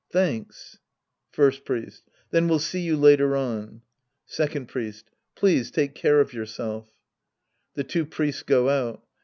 Thanks. First Priest. Thenjwe'Jl see yo}i_Iater_on,— Second Priest. Please take care of yourself i^he two Priests go out.